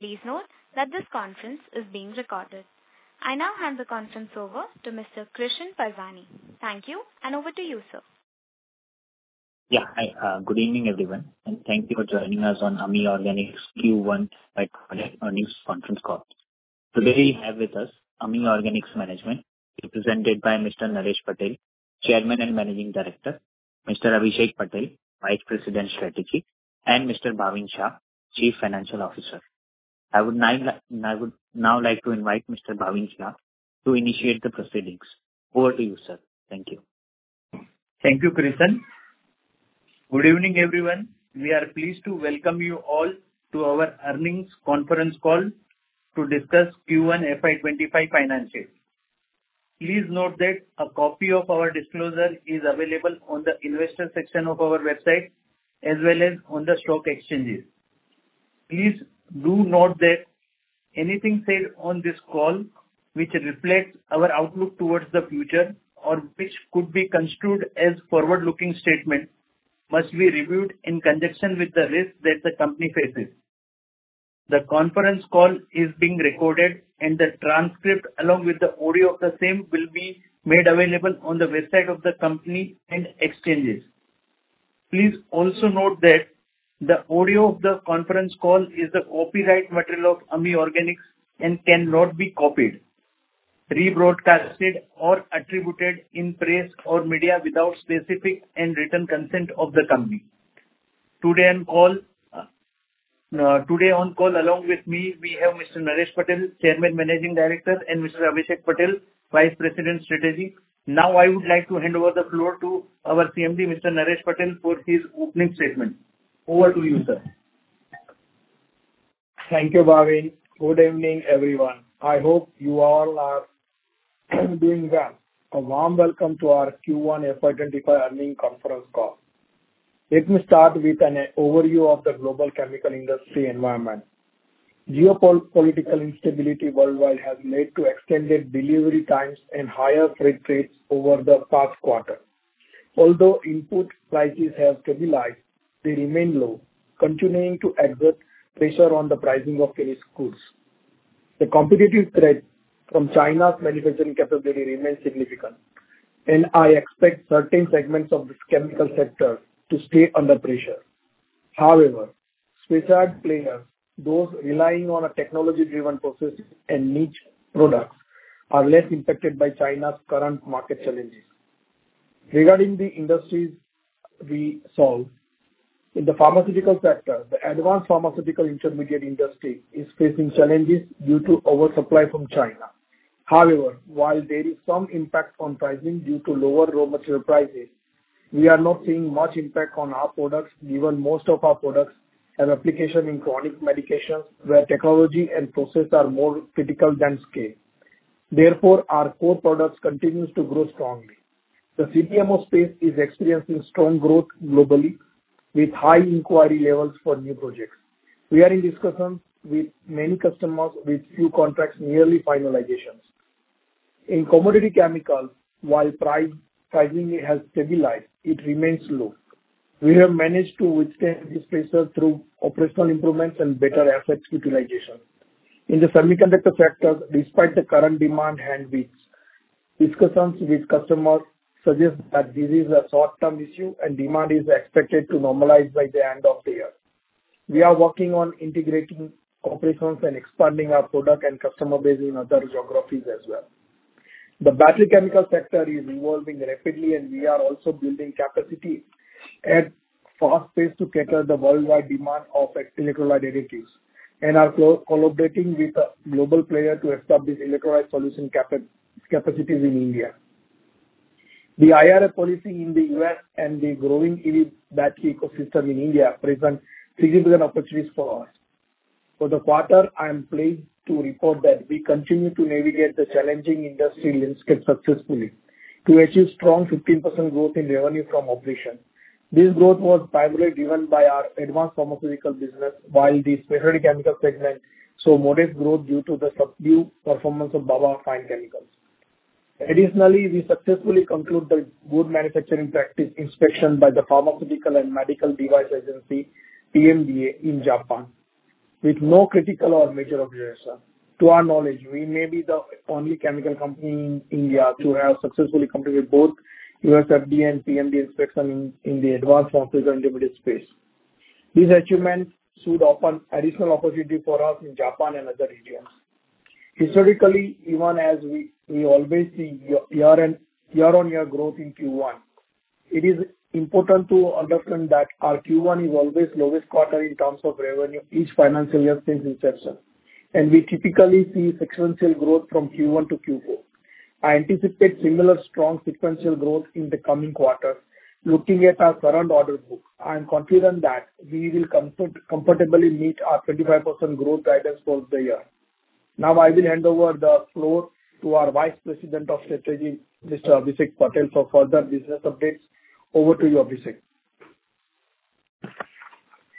Please note that this conference is being recorded. I now hand the conference over to Mr. Krishan Parwani. Thank you, and over to you, sir. Yeah. Hi, good evening, everyone, and thank you for joining us on AMI Organics Q1 earnings conference call. Today we have with us AMI Organics Management, represented by Mr. Naresh Patel, Chairman and Managing Director; Mr. Abhishek Patel, Vice President Strategy; and Mr. Bhavin Shah, Chief Financial Officer. I would now like to invite Mr. Bhavin Shah to initiate the proceedings. Over to you, sir. Thank you. Thank you, Krishan. Good evening, everyone. We are pleased to welcome you all to our earnings conference call to discuss Q1 FY 2025 financials. Please note that a copy of our disclosure is available on the investor section of our website, as well as on the stock exchanges. Please do note that anything said on this call, which reflects our outlook towards the future or which could be construed as forward-looking statements, must be reviewed in conjunction with the risks that the company faces. The conference call is being recorded, and the transcript along with the audio of the same will be made available on the website of the company and exchanges. Please also note that the audio of the conference call is the copyright material of AMI Organics and cannot be copied, rebroadcast, or attributed in press or media without specific and written consent of the company. Today on call along with me, we have Mr. Naresh Patel, Chairman Managing Director, and Mr. Abhishek Patel, Vice President Strategy. Now I would like to hand over the floor to our CMD, Mr. Naresh Patel, for his opening statement. Over to you, sir. Thank you, Bhavin. Good evening, everyone. I hope you all are doing well. A warm welcome to our Q1 FY 2025 earnings conference call. Let me start with an overview of the global chemical industry landscape. Geopolitical instability worldwide has led to extended delivery times and higher freight rates over the past quarter. Although input prices have stabilized, they remain low, continuing to exert pressure on the pricing of finished goods. The competitive threat from China's manufacturing capability remains significant, and I expect certain segments of this chemical sector to stay under pressure. However, specialty players, those relying on a technology-driven process and niche products, are less impacted by China's current market challenges. Regarding the industries we solve, in the Pharmaceutical sector, the advanced pharmaceutical intermediate industry is facing challenges due to oversupply from China. However, while there is some impact on pricing due to lower raw material prices, we are not seeing much impact on our products, given most of our products have application in chronic medications where technology and process are more critical than scale. Therefore, our core products continue to grow strongly. The CDMO space is experiencing strong growth globally, with high inquiry levels for new projects. We are in discussions with many customers with few contracts nearly finalizations. In commodity chemicals, while pricing has stabilized, it remains low. We have managed to withstand this pressure through operational improvements and better asset utilization. In the semiconductor sector, despite the current demand handicaps, discussions with customers suggest that this is a short-term issue and demand is expected to normalize by the end of the year. We are working on integrating operations and expanding our product and customer base in other geographies as well. The battery chemical sector is evolving rapidly, and we are also building capacity at fast pace to cater the worldwide demand of electrolyte additives, and are co-collaborating with a global player to establish electrolyte solution capacities in India. The IRA policy in the U.S. and the growing EV battery ecosystem in India present significant opportunities for us. For the quarter, I am pleased to report that we continue to navigate the challenging industry landscape successfully, to achieve strong 15% growth in revenue from operations. This growth was primarily driven by our advanced Pharmaceutical business, while the Specialty Chemical segment saw modest growth due to the subdued performance of Baba Fine Chemicals. Additionally, we successfully concluded the Good Manufacturing Practice inspection by the Pharmaceutical and Medical Device Agency, PMDA, in Japan, with no critical or major obligations. To our knowledge, we may be the only chemical company in India to have successfully completed both USFDA and PMDA inspections in the advanced pharmaceutical intermediate space. This achievement should open additional opportunities for us in Japan and other regions. Historically, even as we always see year-on-year growth in Q1, it is important to understand that our Q1 is always the lowest quarter in terms of revenue each financial year since inception, and we typically see sequential growth from Q1 to Q4. I anticipate similar strong sequential growth in the coming quarters. Looking at our current order book, I am confident that we will comfortably meet our 25% growth guidance for the year. Now I will hand over the floor to our Vice President of Strategy, Mr. Abhishek Patel, for further business updates. Over to you, Abhishek.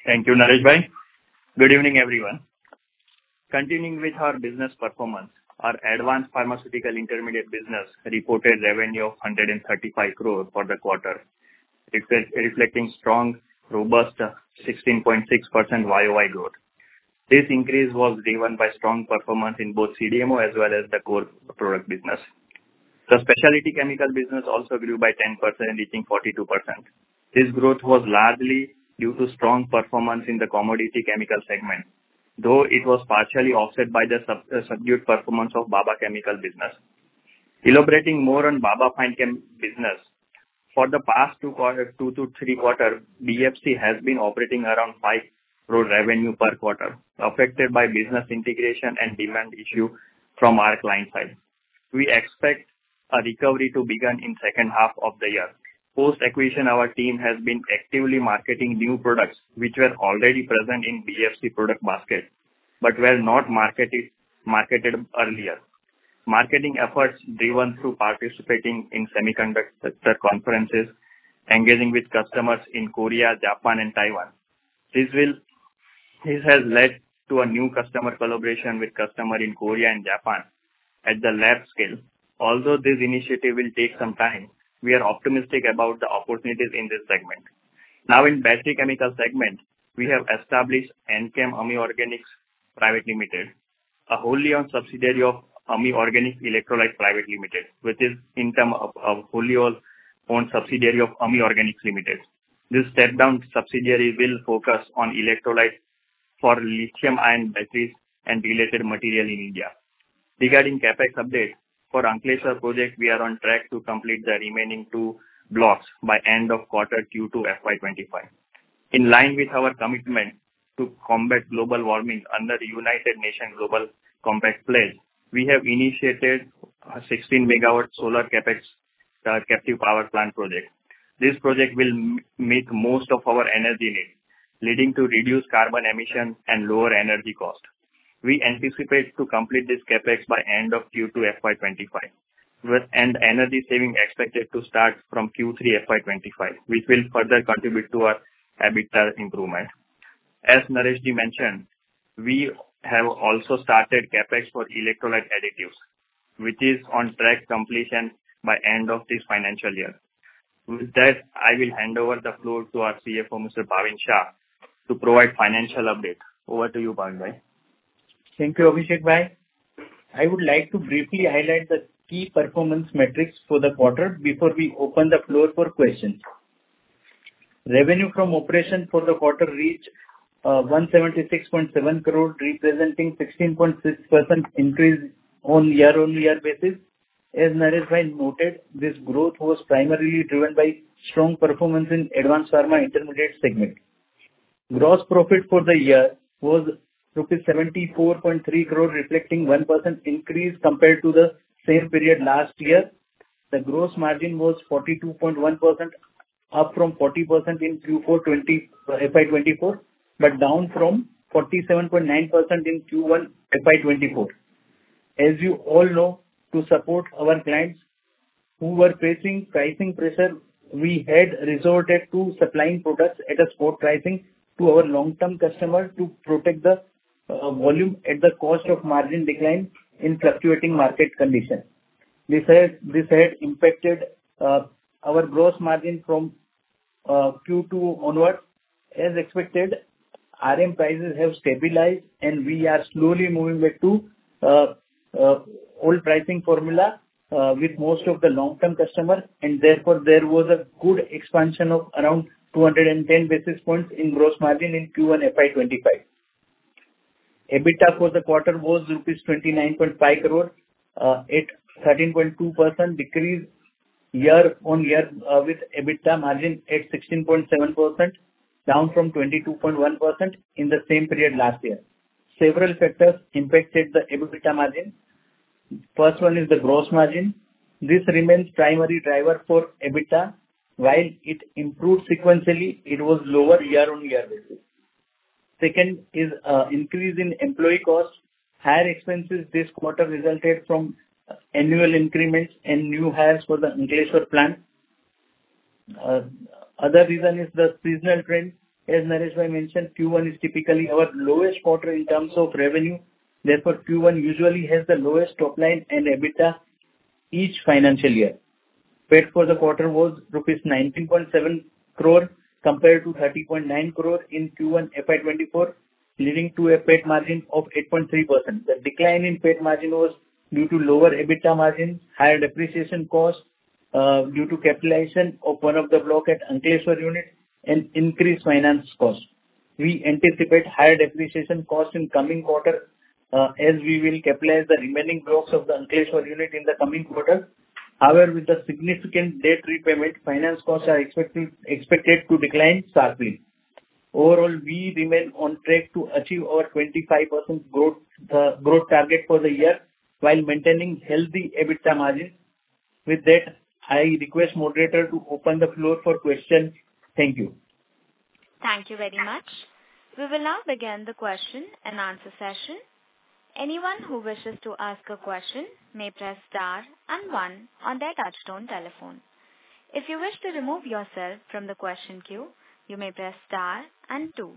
Thank you, Naresh Bhai. Good evening, everyone. Continuing with our business performance, our advanced pharmaceutical intermediate business reported revenue of 135 crore for the quarter, reflecting strong, robust 16.6% YOY growth. This increase was driven by strong performance in both CDMO as well as the core product business. The Specialty Chemical business also grew by 10%, reaching 42%. This growth was largely due to strong performance in the commodity chemical segment, though it was partially offset by the subdued performance of Baba Fine Chemicals business. Elaborating more on Baba Fine Chemicals business, for the past two to three quarters, BFC has been operating around 5 crore revenue per quarter, affected by business integration and demand issues from our client side. We expect a recovery to begin in the second half of the year. Post-acquisition, our team has been actively marketing new products, which were already present in BFC's product basket but were not marketed earlier. Marketing efforts driven through participating in semiconductor conferences, engaging with customers in Korea, Japan, and Taiwan, this has led to a new customer collaboration with customers in Korea and Japan at the lab scale. Although this initiative will take some time, we are optimistic about the opportunities in this segment. Now, in the Battery Chemical segment, we have established Enchem AMI Organics Private Limited, a wholly-owned subsidiary of AMI Organics Electrolytes Private Limited, which is in turn a wholly-owned subsidiary of AMI Organics Limited. This step-down subsidiary will focus on electrolytes for lithium-ion batteries and related materials in India. Regarding CapEx updates, for the Ankleshwar project, we are on track to complete the remaining two blocks by the end of quarter Q2 FY 2025. In line with our commitment to combat global warming under the United Nations Global Compact pledge, we have initiated a 16-MW solar CapEx, captive power plant project. This project will meet most of our energy needs, leading to reduced carbon emissions and lower energy costs. We anticipate completing this CapEx by the end of Q2 FY 2025, with energy savings expected to start from Q3 FY 2025, which will further contribute to our EBITDA improvement. As Naresh Bhai mentioned, we have also started CapEx for electrolyte additives, which is on track to complete by the end of this financial year. With that, I will hand over the floor to our CFO, Mr. Bhavin Shah, to provide a financial update. Over to you, Bhavin Bhai. Thank you, Abhishek Bhai. I would like to briefly highlight the key performance metrics for the quarter before we open the floor for questions. Revenue from operations for the quarter reached 176.7 crore, representing a 16.6% increase on a year-on-year basis. As Naresh Bhai noted, this growth was primarily driven by strong performance in the advanced pharma intermediate segment. Gross profit for the year was rupees 74.3 crore, reflecting a 1% increase compared to the same period last year. The gross margin was 42.1% up from 40% in Q4 20 FY 2024, but down from 47.9% in Q1 FY 2024. As you all know, to support our clients who were facing pricing pressure, we had resorted to supplying products at a spot pricing to our long-term customers to protect the volume at the cost of margin decline in fluctuating market conditions. This had impacted our gross margin from Q2 onward. As expected, RM prices have stabilized, and we are slowly moving back to old pricing formula with most of the long-term customers, and therefore there was a good expansion of around 210 basis points in gross margin in Q1 FY 2025. EBITDA for the quarter was rupees 29.5 crore, at a 13.2% decrease year-on-year, with EBITDA margin at 16.7%, down from 22.1% in the same period last year. Several factors impacted the EBITDA margin. First one is the gross margin. This remains the primary driver for EBITDA, while it improved sequentially. It was lower year-on-year basis. Second is an increase in employee costs. Higher expenses this quarter resulted from annual increments and new hires for the Ankleshwar plant. The other reason is the seasonal trend. As Naresh Bhai mentioned, Q1 is typically our lowest quarter in terms of revenue, therefore Q1 usually has the lowest top line and EBITDA each financial year. Payroll for the quarter was rupees 19.7 crore compared to 30.9 crore in Q1 FY 2024, leading to a payroll margin of 8.3%. The decline in payroll margin was due to lower EBITDA margins, higher depreciation costs, due to capitalization of one of the blocks at Ankleshwar unit, and increased finance costs. We anticipate higher depreciation costs in the coming quarter, as we will capitalize the remaining blocks of the Ankleshwar unit in the coming quarter. However, with the significant debt repayment, finance costs are expected to decline sharply. Overall, we remain on track to achieve our 25% growth, growth target for the year while maintaining healthy EBITDA margins. With that, I request the moderator to open the floor for questions. Thank you. Thank you very much. We will now begin the question-and-answer session. Anyone who wishes to ask a question may press star and one on their touch-tone telephone. If you wish to remove yourself from the question queue, you may press star and two.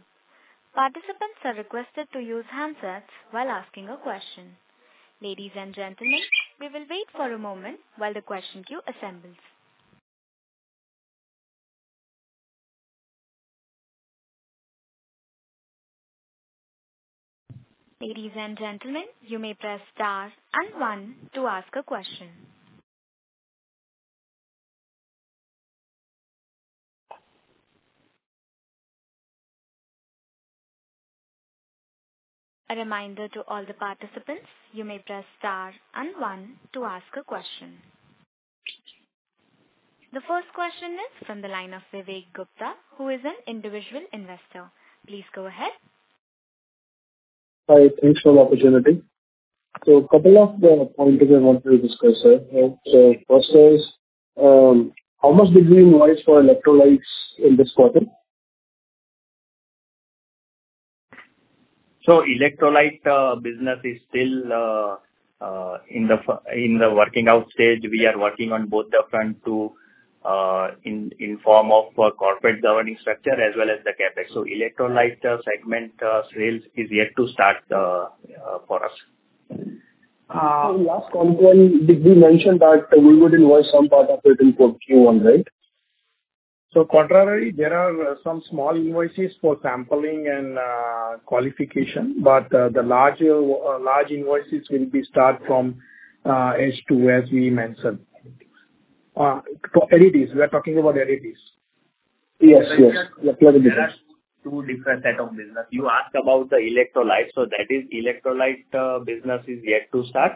Participants are requested to use handsets while asking a question. Ladies and gentlemen, we will wait for a moment while the question queue assembles. Ladies and gentlemen, you may press star and one to ask a question. A reminder to all the participants: you may press star and one to ask a question. The first question is from the line of Vivek Gupta, who is an individual investor. Please go ahead. Hi. Thanks for the opportunity. So, a couple of points that I want to discuss, sir. So, first is, how much did we invest for electrolytes in this quarter? So, electrolyte business is still in the final working-out stage. We are working on both fronts too, in the form of a corporate governing structure as well as the CapEx. So, electrolyte segment sales is yet to start, for us. Last quarter, did we mention that we would invest some part of it in Q1, right? So, contrarily, there are some small invoices for sampling and qualification, but the larger large invoices will be started from H2, as we mentioned. To additives, we are talking about additives. Yes, yes. That's two different sets of business. You asked about the electrolytes, so that is, the electrolyte business is yet to start.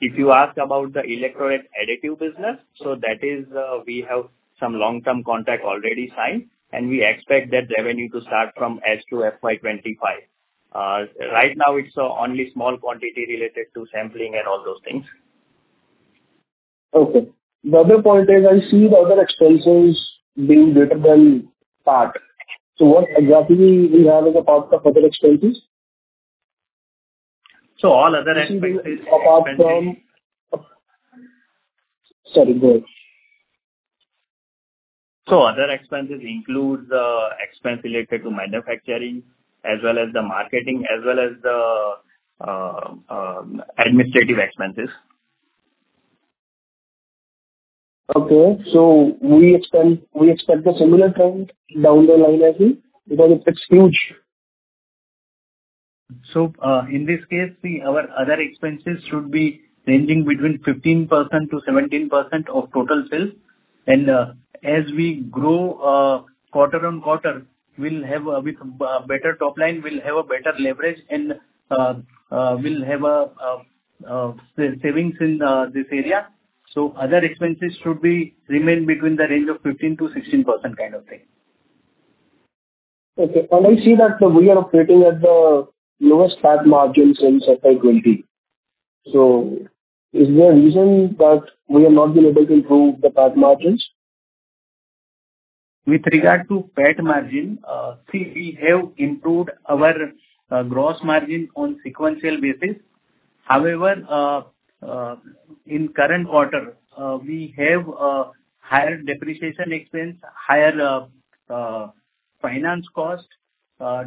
If you ask about the electrolyte additive business, so that is, we have some long-term contracts already signed, and we expect that revenue to start from H2 FY 2025. Right now, it's only small quantities related to sampling and all those things. Okay. The other point is, I see the other expenses being greater than PAT. So, what exactly do we have as a part of other expenses? All other expenses include. Apart from, sorry, go ahead. Other expenses include expenses related to manufacturing as well as the marketing, as well as the administrative expenses. Okay. So, we expect a similar trend down the line, as we because it's huge. So, in this case, see, our other expenses should be ranging between 15%-17% of total sales. As we grow, quarter-over-quarter, we'll have, with a better top line, we'll have a savings in this area. So, other expenses should remain between the range of 15%-16% kind of thing. Okay. And I see that we are operating at the lowest PAT margin since FY 2020. So, is there a reason that we have not been able to improve the PAT margins? With regard to PAT margin, see, we have improved our gross margin on a sequential basis. However, in the current quarter, we have higher depreciation expenses, higher finance costs,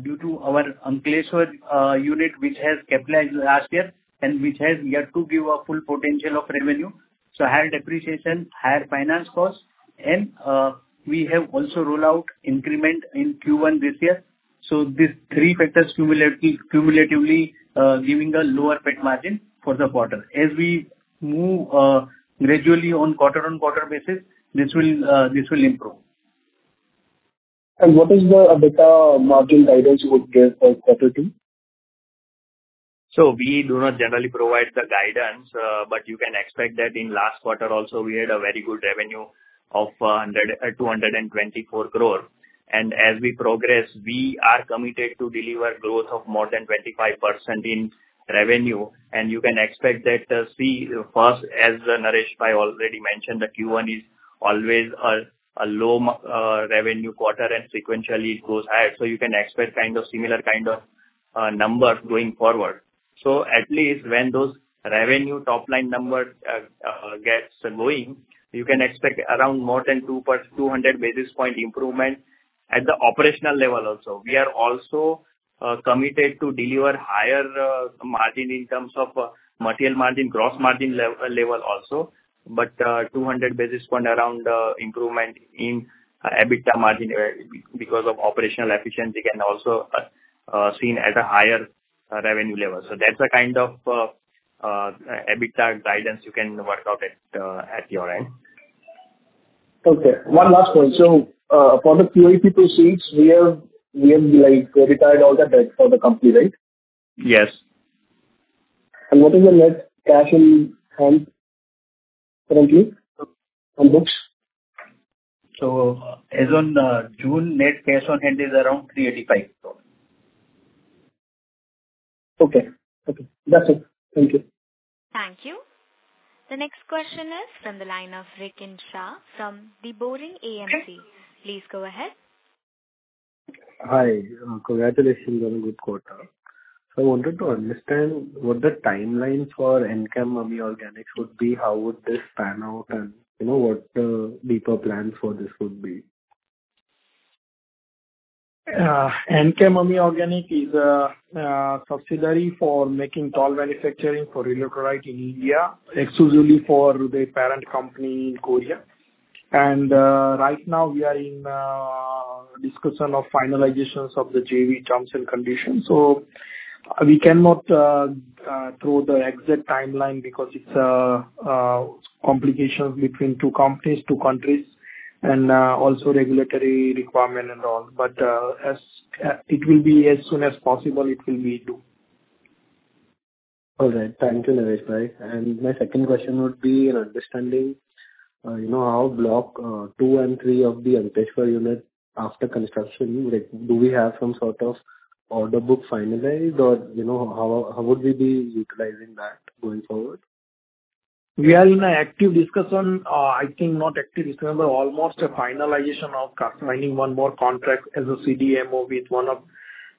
due to our Ankleshwar unit, which has capitalized last year and which has yet to give a full potential of revenue. So, higher depreciation, higher finance costs, and we have also rolled out an increment in Q1 this year. So, these three factors cumulatively give us a lower payroll margin for the quarter. As we move gradually on a quarter-on-quarter basis, this will improve. What is the EBITDA margin guidance you would give for quarter two? So, we do not generally provide the guidance, but you can expect that in the last quarter also, we had a very good revenue of 102.24 crore. And as we progress, we are committed to delivering growth of more than 25% in revenue, and you can expect that, see, first, as Naresh Bhai already mentioned, the Q1 is always a low revenue quarter, and sequentially, it goes higher. So, you can expect kind of similar kind of numbers going forward. So, at least when those revenue top line numbers get going, you can expect around more than 200 basis points improvement at the operational level also. We are also committed to delivering higher margins in terms of material margin, gross margin level also, but 200 basis points around improvement in EBITDA margin because of operational efficiency and also seen at a higher revenue level. That's a kind of EBITDA guidance you can work out at your end. Okay. One last point. So, for the QIP proceeds, we have, like, credited all that debt for the company, right? Yes. What is the net cash on hand currently on books? As on June, net cash on hand is around 385 crore. Okay. Okay. That's it. Thank you. Thank you. The next question is from the line of Rikin Shah from The Boring AMC. Please go ahead. Hi. Congratulations on a good quarter. So, I wanted to understand what the timeline for Enchem AMI Organics would be, how would this pan out, and, you know, what deeper plans for this would be? Enchem AMI Organics is a subsidiary for making all manufacturing for electrolyte in India, exclusively for the parent company in Korea. Right now, we are in discussion of finalization of the JV terms and conditions. We cannot throw the exact timeline because it's a complication between two companies, two countries, and also regulatory requirements and all. As it will be as soon as possible, it will be due. All right. Thank you, Naresh Bhai. My second question would be an understanding, you know, how blocks 2 and 3 of the Ankleshwar unit after construction—like, do we have some sort of order book finalized? Or, you know, how would we be utilizing that going forward? We are in an active discussion on, I think not active discussion, but almost a finalization of signing one more contract as a CDMO with one of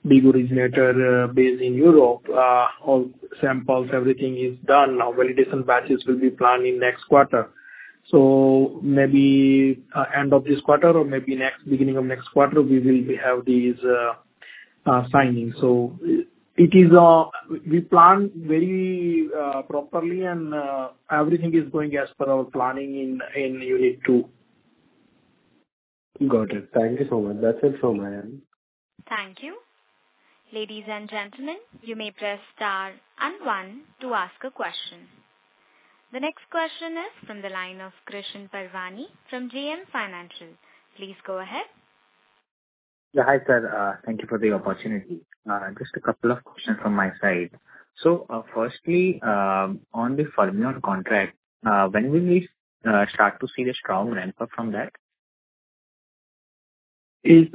the originators, based in Europe. All samples, everything is done. Now, validation batches will be planned in the next quarter. So, maybe, end of this quarter or maybe next beginning of next quarter, we will have these, signings. So, it is, we plan very, properly, and, everything is going as per our planning in, in Unit 2. Got it. Thank you so much. That's it from my end. Thank you. Ladies and gentlemen, you may press * and 1 to ask a question. The next question is from the line of Krishan Parwani from JM Financial. Please go ahead. Yeah. Hi, sir. Thank you for the opportunity. Just a couple of questions from my side. So, firstly, on the formula contract, when will we start to see the strong ramp-up from that? Unit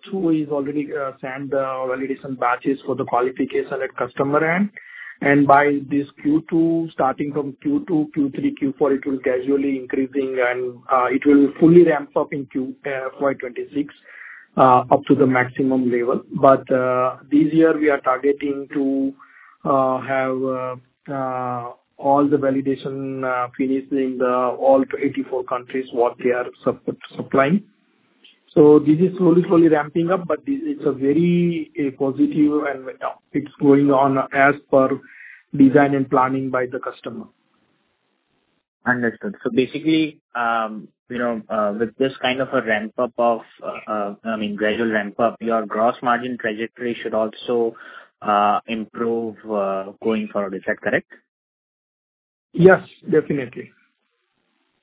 two is already signed the validation batches for the qualification at the customer end. By this Q2, starting from Q2, Q3, Q4, it will gradually increase, and it will fully ramp up in FY 2026 up to the maximum level. But this year, we are targeting to have all the validation finishing all 84 countries what they are supplying. So this is slowly slowly ramping up, but this is a very positive, and you know, it's going on as per design and planning by the customer. Understood. So, basically, you know, with this kind of a ramp-up of, I mean, gradual ramp-up, your gross margin trajectory should also improve, going forward. Is that correct? Yes, definitely.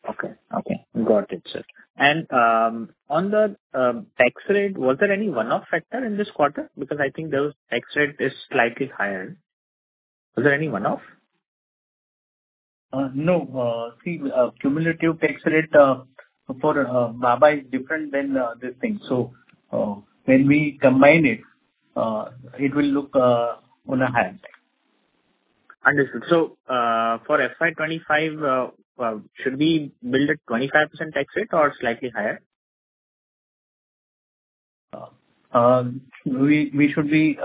Okay. Okay. Got it, sir. And on the tax rate, was there any one-off factor in this quarter? Because I think the tax rate is slightly higher. Was there any one-off? No, see, the cumulative tax rate for Baba is different than this thing. So, when we combine it, it will look on a higher side. Understood. So, for FY 2025, should we build a 25% tax rate or slightly higher? We should be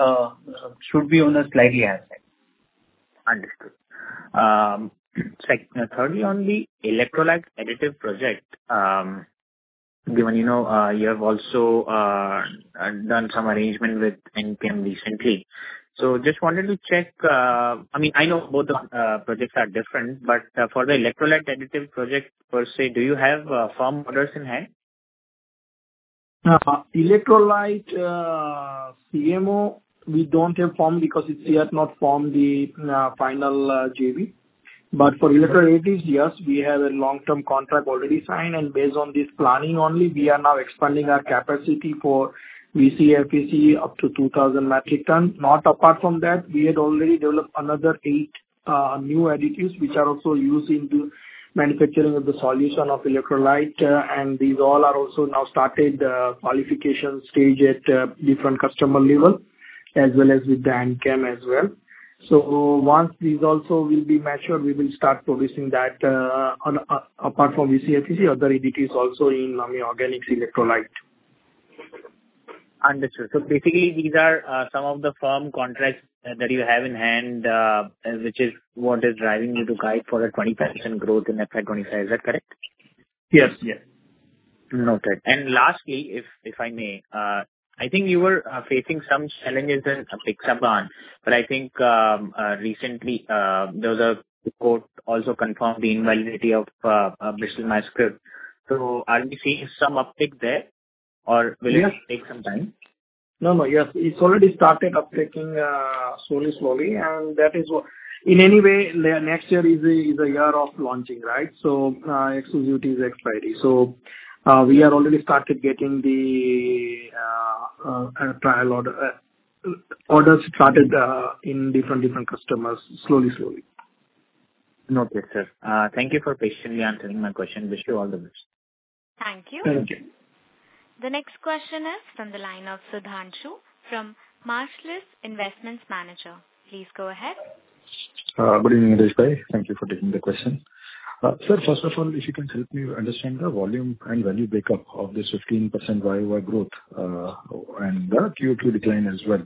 on a slightly higher side. Understood. Thirdly, on the electrolyte additive project, given, you know, you have also done some arrangement with Enchem recently. So, just wanted to check, I mean, I know both the projects are different, but, for the electrolyte additive project per se, do you have firm orders in hand? Electrolyte CMO, we don't have formed because it's yet not formed the final JV. But for electrolytes, yes, we have a long-term contract already signed. And based on this planning only, we are now expanding our capacity for VC, FEC up to 2,000 metric tons. Not apart from that, we had already developed another eight new additives, which are also used in the manufacturing of the solution of electrolyte. And these all are also now started qualification stage at different customer levels as well as with the Enchem as well. So, once these also will be matured, we will start producing that on a apart from VC, FEC, other additives also in AMI Organics electrolyte. Understood. So, basically, these are some of the firm contracts that you have in hand, which is what is driving you to guide for a 25% growth in FY 2025. Is that correct? Yes. Yes. Noted. Lastly, if I may, I think you were facing some challenges and a big setback, but I think, recently, there was a court also confirmed the invalidity of Bristol Myers Squibb. So, are we seeing some uptick there, or will it take some time? Yes. No, no. Yes. It's already started upticking, slowly, slowly. And that is what, in any way, next year is a year of launching, right? So, exclusivity is expiry. So, we have already started getting the trial orders started in different, different customers slowly, slowly. Noted, sir. Thank you for patiently answering my question. Wish you all the best. Thank you. Thank you. The next question is from the line of Sudhanshu from Marcellus Investment Managers. Please go ahead. Good evening, Naresh Bhai. Thank you for taking the question. Sir, first of all, if you can help me understand the volume and value breakup of this 15% YY growth, and the Q2 decline as well,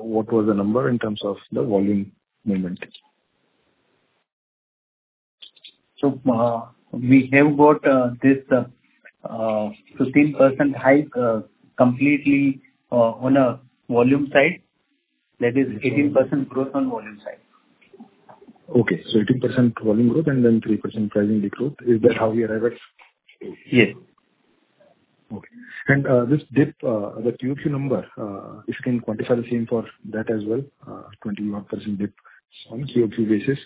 what was the number in terms of the volume movement? So, we have got this 15% hike completely on the volume side. That is 18% growth on the volume side. Okay. So, 18% volume growth and then 3% pricing decrease. Is that how we arrived? Yes. Okay. And this dip, the QQ number, if you can quantify the same for that as well, 21% dip on QQ basis.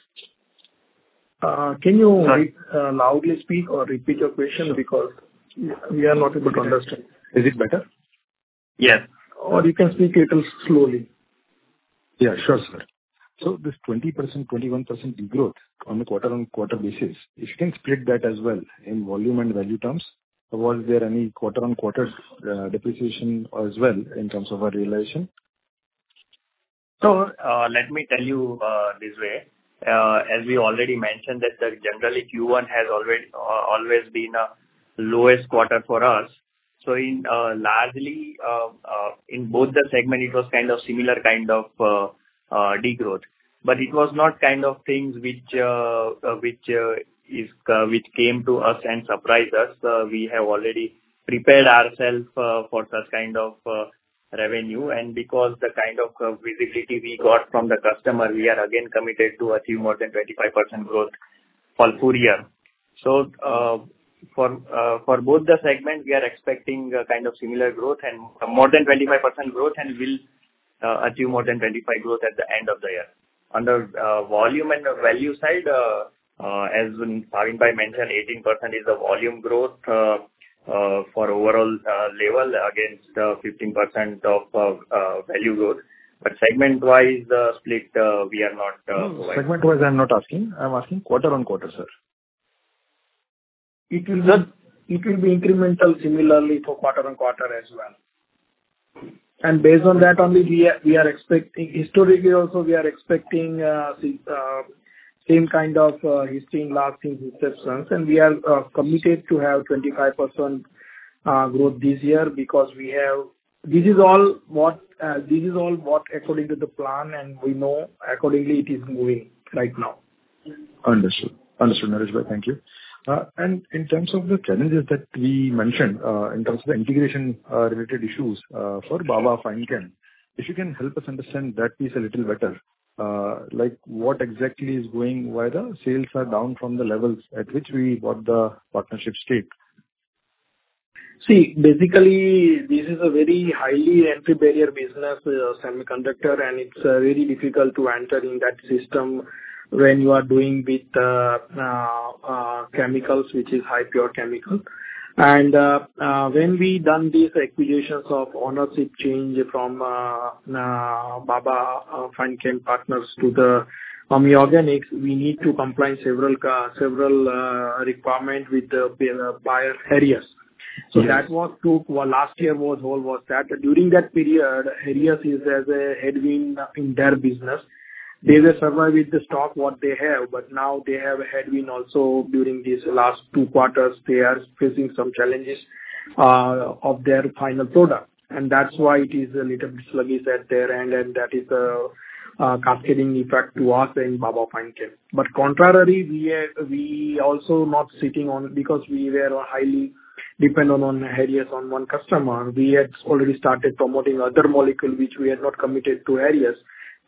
Can you loudly speak or repeat your question because we are not able to understand? Is it better? Yes. Or you can speak a little slowly. Yeah. Sure, sir. So, this 20%, 21% degrowth on a quarter-on-quarter basis, if you can split that as well in volume and value terms, was there any quarter-on-quarter depreciation as well in terms of our realization? So, let me tell you, this way. As we already mentioned, that, generally, Q1 has always, always been the lowest quarter for us. So, in, largely, in both the segments, it was kind of similar kind of, degrowth. But it was not kind of things which came to us and surprised us. We have already prepared ourselves, for such kind of, revenue. And because of the kind of, visibility we got from the customer, we are again committed to achieve more than 25% growth for the full year. So, for both the segments, we are expecting a kind of similar growth and more than 25% growth and will achieve more than 25% growth at the end of the year. On the, volume and the value side, as Bhavin Bhai mentioned, 18% is the volume growth, for overall, level against the 15% value growth. But segment-wise, the split, we are not providing. Segment-wise, I'm not asking. I'm asking quarter-on-quarter, sir. It will be incremental similarly for quarter-on-quarter as well. And based on that only, we are expecting historically, also, we are expecting, see, same kind of history in last year's exceptions. And we are committed to have 25% growth this year because we have this is all what according to the plan, and we know accordingly, it is moving right now. Understood. Understood, Naresh Bhai. Thank you. And in terms of the challenges that we mentioned, in terms of the integration related issues, for Baba Fine Chemicals, if you can help us understand that piece a little better, like, what exactly is going why the sales are down from the levels at which we bought the partnership stake? See, basically, this is a very high entry-barrier business, semiconductor, and it's very difficult to enter in that system when you are doing with chemicals, which is high-purity chemical. And when we done these acquisitions of ownership change from Baba Fine Chemicals to AMI Organics, we need to comply with several requirements with the buyer Heraeus. So that was all last year. During that period, Heraeus is as a headwind in their business. They will survive with the stock what they have, but now they have a headwind also during these last two quarters. They are facing some challenges of their final product. And that's why it is a little bit sluggish at their end, and that is a cascading effect to us and Baba Fine Chemicals. But contrarily, we are also not sitting on because we were highly dependent on Heraeus on one customer. We had already started promoting other molecules, which we had not committed to Heraeus,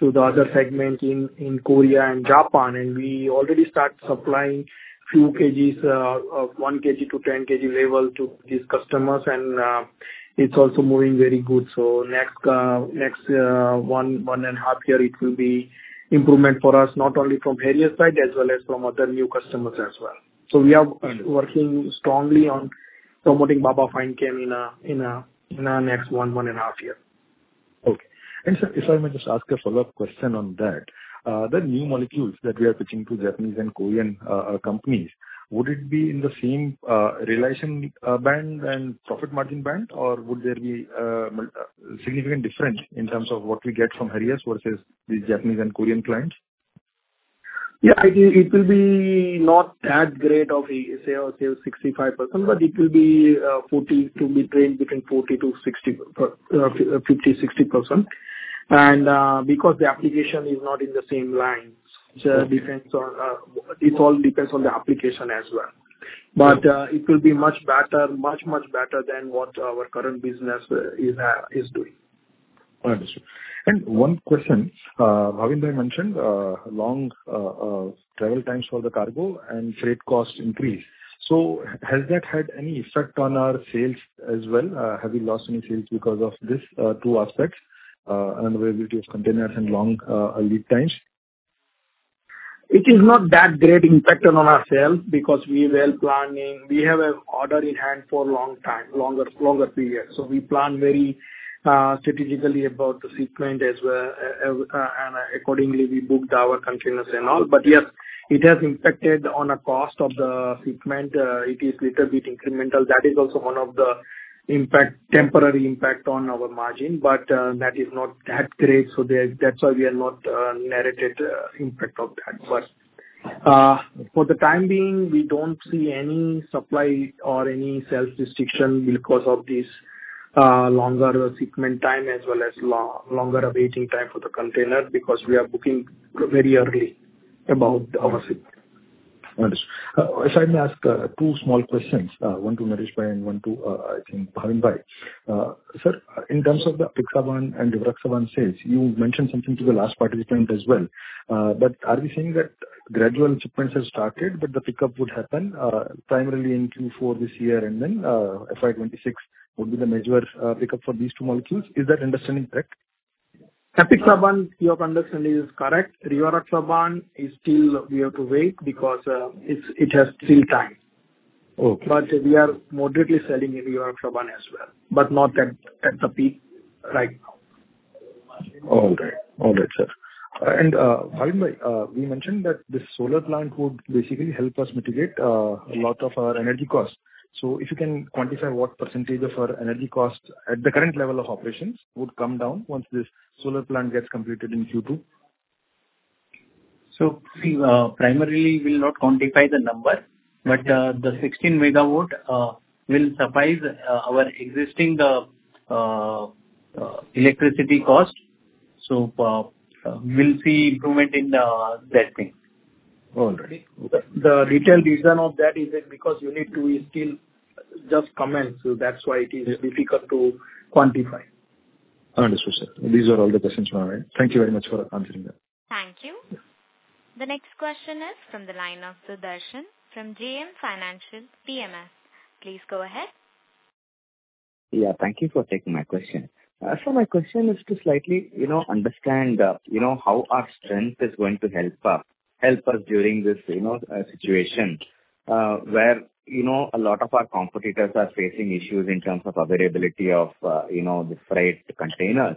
to the other segments in Korea and Japan. And we already started supplying few kgs of 1 kg-10 kg level to these customers, and it's also moving very good. So, next 1-1.5 years, it will be improvement for us not only from Heraeus side as well as from other new customers as well. So, we are working strongly on promoting Baba Fine Chemicals in the next 1-1.5 years. Okay. And, sir, if I may just ask a follow-up question on that, the new molecules that we are pitching to Japanese and Korean companies, would it be in the same realization band and profit margin band, or would there be significant difference in terms of what we get from Heraeus versus these Japanese and Korean clients? Yeah. It will be not that great of a, say, 65%, but it will be 40%-60% or 50%-60%. And because the application is not in the same lines, so it depends on, it all depends on the application as well. But it will be much better, much, much better than what our current business is doing. Understood. And one question, Bhavin Bhai mentioned long travel times for the cargo and freight cost increase. So, has that had any effect on our sales as well? Have we lost any sales because of this, two aspects, and availability of containers and long lead times? It is not that great impacted on our sales because we were planning we have an order in hand for a long time, longer, longer period. So, we plan very, strategically about the shipments as well, and accordingly, we booked our containers and all. But yes, it has impacted on the cost of the shipment. It is a little bit incremental. That is also one of the impact temporary impact on our margin, but, that is not that great. So, there that's why we are not, narrated impact of that. But, for the time being, we don't see any supply or any self-distinction because of this, longer shipment time as well as longer awaiting time for the container because we are booking very early about our shipment. Understood. If I may ask, two small questions, one to Naresh Bhai and one to, I think, Bhavin Bhai. Sir, in terms of the apixaban and rivaroxaban sales, you mentioned something to the last participant as well. But are we saying that gradual shipment has started, but the pickup would happen, primarily in Q4 this year, and then, FY 2026 would be the major, pickup for these two molecules? Is that understanding correct? Apixaban, your understanding is correct. Rivaroxaban is still we have to wait because it's it has still time. Okay. But we are moderately selling rivaroxaban as well, but not at the peak right now. All right. All right, sir. And, Bhavin Bhai, we mentioned that this solar plant would basically help us mitigate a lot of our energy costs. So, if you can quantify what percentage of our energy costs at the current level of operations would come down once this solar plant gets completed in Q2? So, see, primarily, we will not quantify the number, but the 16 MW will suppress our existing electricity cost. So, we'll see improvement in that thing. All right. Okay. The detailed reason for that is because Unit 2 is still just commencing, so that's why it is difficult to quantify. Understood, sir. These are all the questions we have. Thank you very much for answering that. Thank you. The next question is from the line of Sudarshan from JM Financial PMS. Please go ahead. Yeah. Thank you for taking my question. So my question is to slightly, you know, understand, you know, how our strength is going to help us, help us during this, you know, situation, where, you know, a lot of our competitors are facing issues in terms of availability of, you know, the freight containers.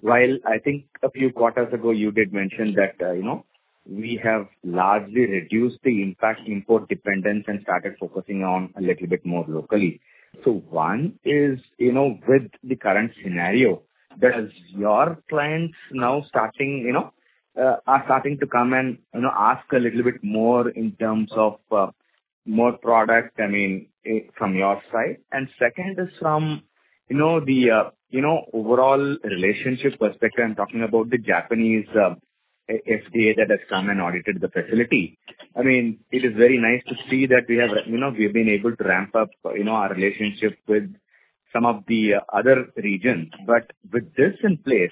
While I think a few quarters ago, you did mention that, you know, we have largely reduced the impact import dependence and started focusing on a little bit more locally. So, one is, you know, with the current scenario, that is your clients now starting, you know, are starting to come and, you know, ask a little bit more in terms of, more product, I mean, from your side. And second is from, you know, the, you know, overall relationship perspective. I'm talking about the Japanese, FDA that has come and audited the facility. I mean, it is very nice to see that we have, you know, we've been able to ramp up, you know, our relationship with some of the other regions. But with this in place,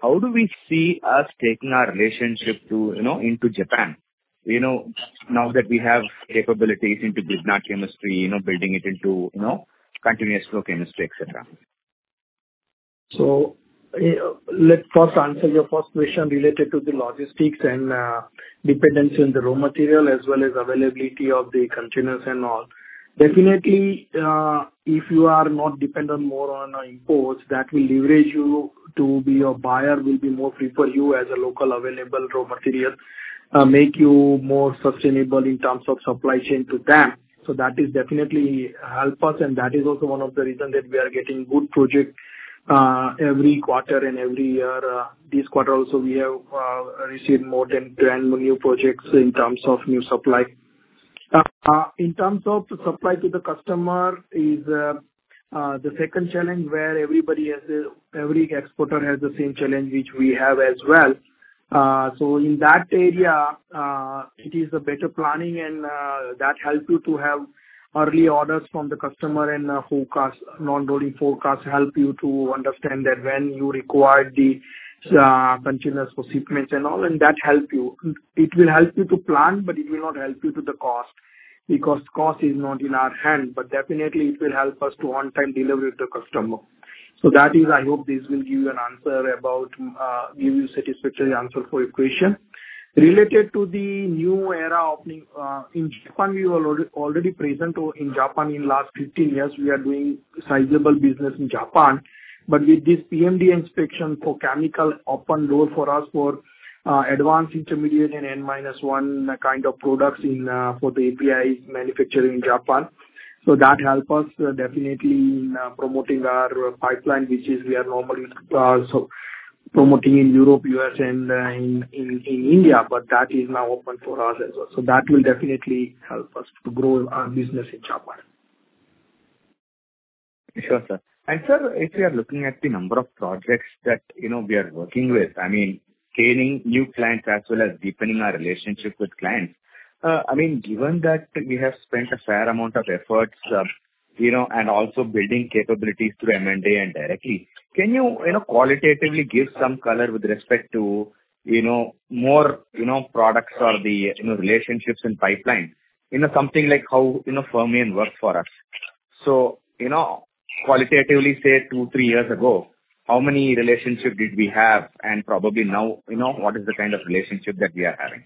how do we see us taking our relationship to, you know, into Japan, you know, now that we have capabilities into Grignard chemistry, you know, building it into, you know, continuous flow chemistry, etc.? So, let's first answer your first question related to the logistics and dependency on the raw material as well as availability of the containers and all. Definitely, if you are not dependent more on imports, that will leverage you to be your buyer will be more free for you as a local available raw material, make you more sustainable in terms of supply chain to them. So, that is definitely help us, and that is also one of the reasons that we are getting good projects, every quarter and every year. This quarter also, we have received more than 10 new projects in terms of new supply. In terms of supply to the customer is the second challenge where everybody has the every exporter has the same challenge, which we have as well. In that area, it is the better planning, and that helps you to have early orders from the customer and forecast non-rolling forecast help you to understand that when you require the containers for shipments and all, and that helps you. It will help you to plan, but it will not help you to the cost because cost is not in our hand. But definitely, it will help us to on-time delivery to the customer. So, that is, I hope this will give you an answer about, give you satisfactory answer for your question. Related to the new era opening in Japan, we were already present in Japan in the last 15 years. We are doing sizable business in Japan. But with this PMDA inspection for chemicals open door for us for advanced intermediates and N-1 kind of products in for the APIs manufacturing in Japan, so that helps us definitely in promoting our pipeline, which is we are normally promoting in Europe, U.S., and in India. But that is now open for us as well. So, that will definitely help us to grow our business in Japan. Sure, sir. And, sir, if we are looking at the number of projects that, you know, we are working with, I mean, scaling new clients as well as deepening our relationship with clients, I mean, given that we have spent a fair amount of efforts, you know, and also building capabilities through M&A and directly, can you, you know, qualitatively give some color with respect to, you know, more, you know, products or the, you know, relationships and pipeline, you know, something like how, you know, Fermion works for us? So, you know, qualitatively, say, two, three years ago, how many relationships did we have? And probably now, you know, what is the kind of relationship that we are having?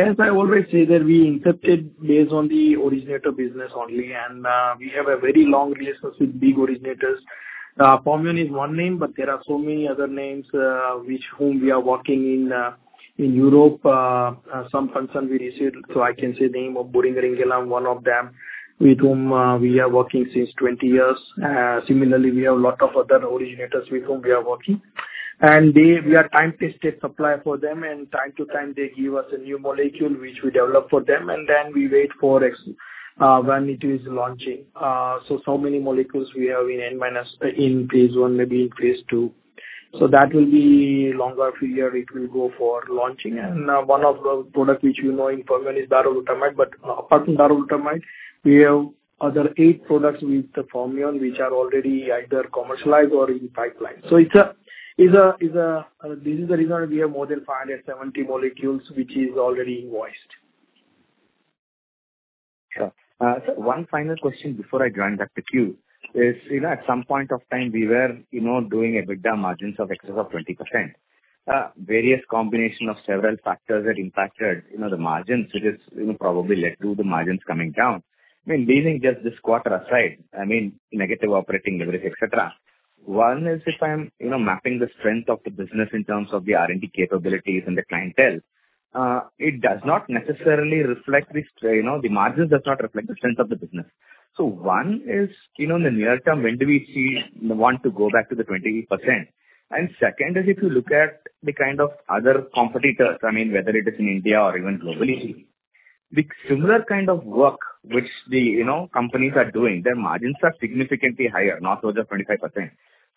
As I always say, that we intercepted based on the originator business only, and we have a very long relationship with big originators. Fermion is one name, but there are so many other names, with whom we are working in Europe. Some concern we received, so I can say the name of Boehringer Ingelheim, one of them, with whom we are working since 20 years. Similarly, we have a lot of other originators with whom we are working. And they, we are time-tested supplier for them, and time to time, they give us a new molecule, which we develop for them, and then we wait for exactly when it is launching. So, so many molecules we have in phase I, maybe in phase II. So, that will be longer period it will go for launching. One of the products, which you know in Fermion, is Darolutamide. But apart from Darolutamide, we have other eight products with the Fermion, which are already either commercialized or in pipeline. So, this is the reason we have more than 570 molecules, which is already invoiced. Sure, sir, one final question before I join back the queue is, you know, at some point of time, we were, you know, doing an EBITDA margin in excess of 20%. Various combinations of several factors that impacted, you know, the margins, which, you know, probably led to the margins coming down. I mean, leaving just this quarter aside, I mean. Negative operating leverage, etc. One is if I'm, you know, mapping the strength of the business in terms of the R&D capabilities and the clientele, it does not necessarily reflect the strength, you know, the margins does not reflect the strength of the business. So, one is, you know, in the near term, when do we see want to go back to the 20%? Second is if you look at the kind of other competitors, I mean, whether it is in India or even globally, the similar kind of work, which the, you know, companies are doing, their margins are significantly higher, not over 25%.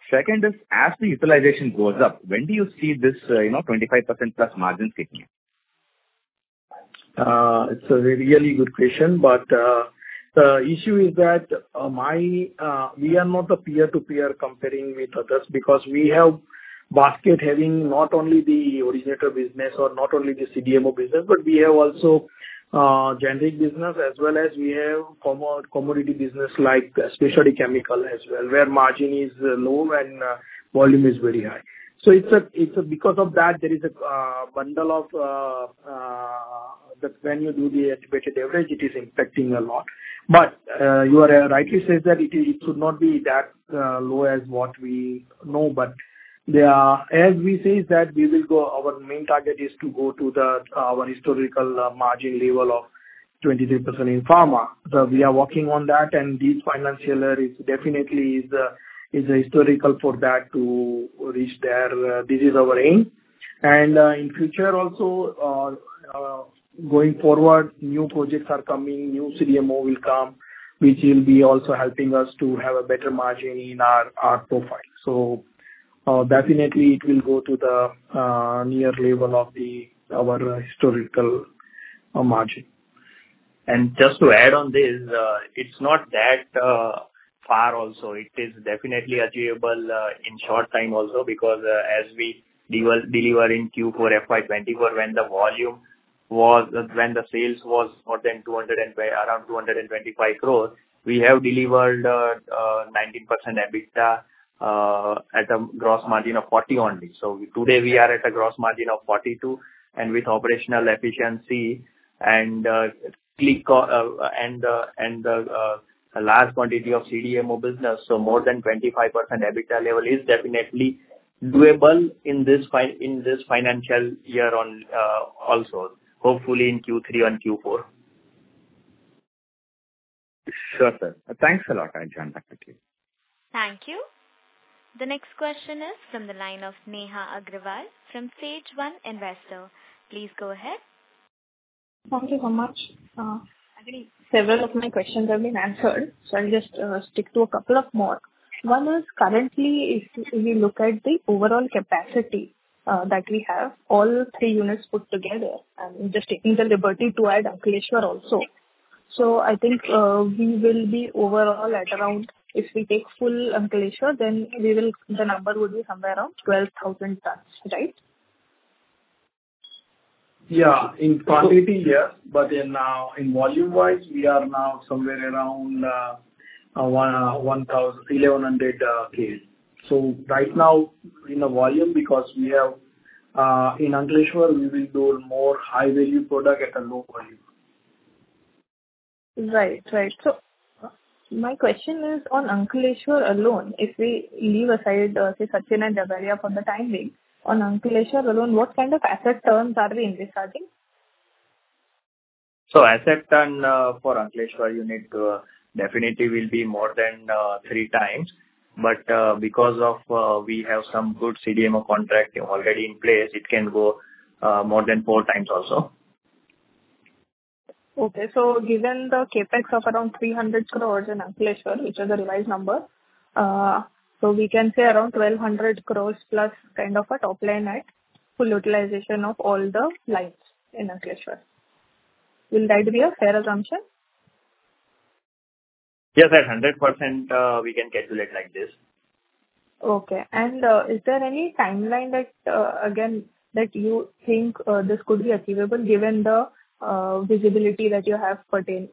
Second is as the utilization goes up, when do you see this, you know, 25%+ margins kicking in? It's a really good question. But the issue is that we are not a peer-to-peer comparing with others because we have basket having not only the originator business or not only the CDMO business, but we have also generic business as well as we have commodity business like Specialty Chemical as well, where margin is low and volume is very high. So it's because of that there is a bundle of that when you do the aggregated average, it is impacting a lot. But you are rightly saying that it should not be that low as what we know. But there are as we say that we will go our main target is to go to the our historical margin level of 23% in pharma. We are working on that, and this financial year is definitely a historic for that to reach there. This is our aim. In future also, going forward, new projects are coming. New CDMO will come, which will be also helping us to have a better margin in our profile. Definitely, it will go to the near level of our historical margin. And just to add on this, it's not that far also. It is definitely achievable in short time also because, as we deliver in Q4 FY 2024, when the sales was more than 220 around 225 crore, we have delivered 19% EBITDA at a gross margin of 40% only. So, today, we are at a gross margin of 42% and with operational efficiency and the large quantity of CDMO business. So, more than 25% EBITDA level is definitely doable in this financial year, also, hopefully, in Q3 and Q4. Sure, sir. Thanks a lot. I'll join back the queue. Thank you. The next question is from the line of Neha Agarwal from SageOne Investment. Please go ahead. Thank you so much. Several of my questions have been answered, so I'll just stick to a couple of more. One is currently, if you look at the overall capacity that we have, all three units put together, I mean, just taking the liberty to add Ankleshwar also. So, I think we will be overall at around if we take full Ankleshwar, then we will the number would be somewhere around 12,000 tons, right? Yeah. In quantity, yes. But then now, in volume-wise, we are now somewhere around 1,000-1,100 kg. So, right now, in the volume, because we have in Ankleshwar, we will do more high-value product at a low volume. Right. Right. So, my question is on Ankleshwar alone, if we leave aside, say, Sachin and Jhagadia for the time being, on Ankleshwar alone, what kind of asset turns are we investigating? So, asset turnover for Ankleshwar, you need to definitely will be more than 3x. But because of we have some good CDMO contract already in place, it can go more than 4x also. Okay. So, given the CAPEX of around 300 crore in Ankleshwar, which is a revised number, so we can say around 1,200 crore plus kind of a top line at full utilization of all the lines in Ankleshwar. Will that be a fair assumption? Yes, at 100%, we can calculate like this. Okay. And is there any timeline that, again, that you think this could be achievable given the visibility that you have put in,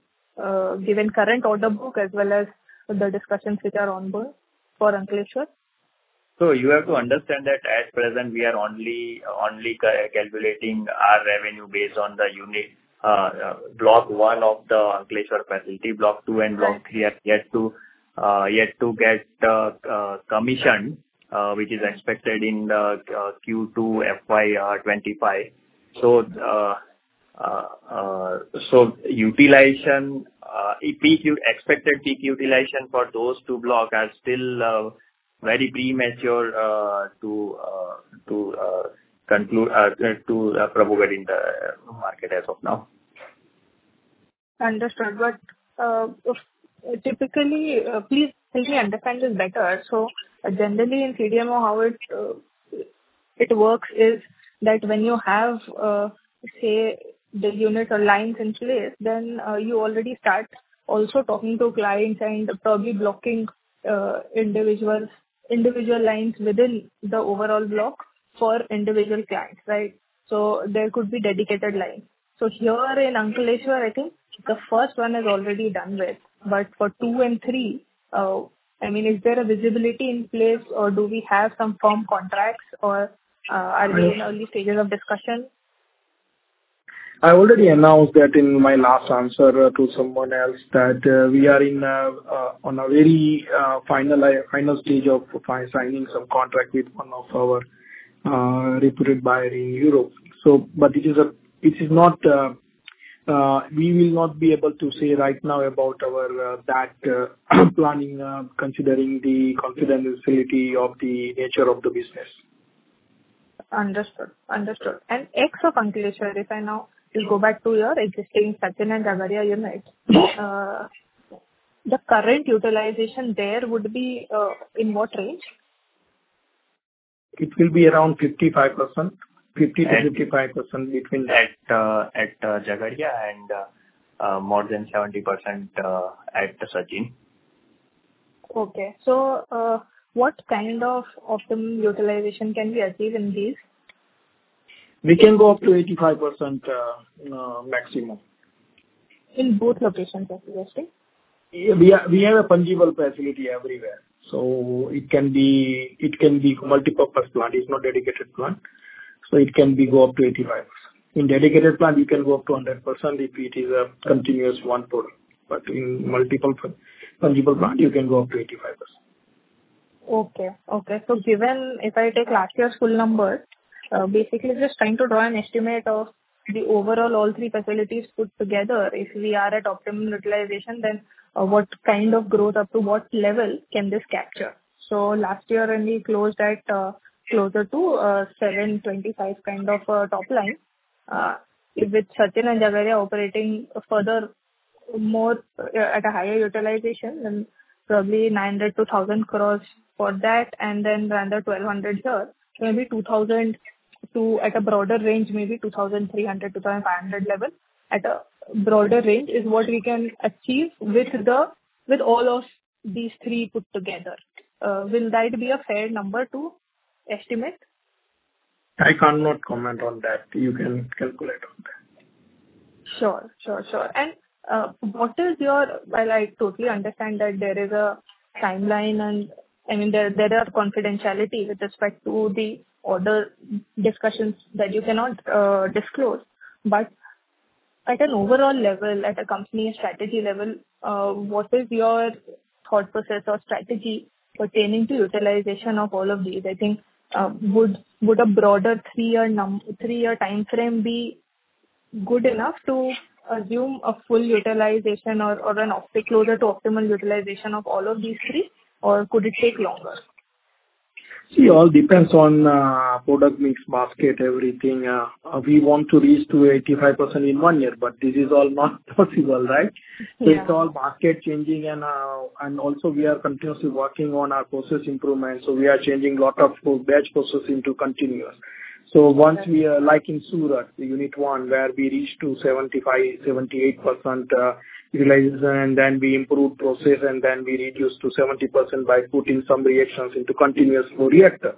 given current order book as well as the discussions which are on board for Ankleshwar? So, you have to understand that at present, we are only calculating our revenue based on the unit block one of the Ankleshwar facility. Block two and block three are yet to get commissioned, which is expected in Q2 FY 2025. So, utilization expected peak utilization for those two blocks is still very premature to conclude to project it in the market as of now. Understood. But typically, please help me understand this better. So, generally, in CDMO, how it works is that when you have, say, the unit or lines in place, then you already start also talking to clients and probably blocking individual lines within the overall block for individual clients, right? So, there could be dedicated lines. So, here in Ankleshwar, I think the first one is already done with. But for two and three, I mean, is there a visibility in place, or do we have some firm contracts, or are we in early stages of discussion? I already announced that in my last answer to someone else that we are in on a very final final stage of signing some contract with one of our reputed buyer in Europe. So, but it is not, we will not be able to say right now about our that planning, considering the confidentiality of the nature of the business. Understood. Understood. And ex of Ankleshwar, if I now go back to your existing Sachin and Jhagadia units, the current utilization there would be, in what range? It will be around 55%. 50%-55% between. At Jhagadia and more than 70% at Sachin. Okay. So, what kind of optimum utilization can we achieve in these? We can go up to 85%, maximum. In both locations, you're suggesting? We have a fungible facility everywhere. So, it can be a multipurpose plant. It's not a dedicated plant. So, it can go up to 85%. In a dedicated plant, you can go up to 100% if it is a continuous one-pot. But in a multiple fungible plant, you can go up to 85%. Okay. Okay. So, given if I take last year's full number, basically, just trying to draw an estimate of the overall all three facilities put together, if we are at optimum utilization, then what kind of growth up to what level can this capture? So, last year, when we closed at closer to 725 crores kind of top line, with Sachin and Jhagadia operating further more at a higher utilization, then probably 900-1,000 crores for that, and then rather 1,200 crores here, maybe 2,000 to at a broader range, maybe 2,300-2,500 level at a broader range is what we can achieve with the with all of these three put together. Will that be a fair number to estimate? I cannot comment on that. You can calculate on that. Sure. Sure. Sure. And what is your view? Well, I totally understand that there is a timeline, and I mean, there is confidentiality with respect to the order discussions that you cannot disclose. But at an overall level, at a company strategy level, what is your thought process or strategy pertaining to utilization of all of these? I think, would a broader three-year time frame be good enough to assume a full utilization or a closer to optimal utilization of all of these three, or could it take longer? See, all depends on product mix basket, everything. We want to reach 85% in one year, but this is all not possible, right? So, it's all market changing. And also, we are continuously working on our process improvement. So, we are changing a lot of batch process into continuous. So, once we are like in Surat, unit one, where we reach 75%-78% utilization, and then we improve process, and then we reduce to 70% by putting some reactions into continuous flow reactor.